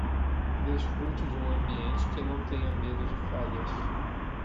Desfrute de um ambiente que não tenha medo de falhas